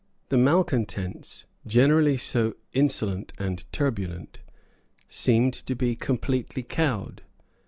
The malecontents, generally so insolent and turbulent, seemed to be completely cowed.